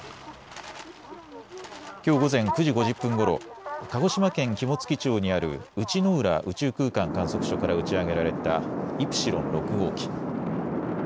きょう午前９時５０分ごろ鹿児島県肝付町にある内之浦宇宙空間観測所から打ち上げられたイプシロン６号機。